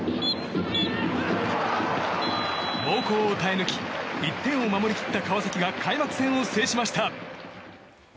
猛攻を耐え抜き１点を守り切った川崎が開幕戦を制しました。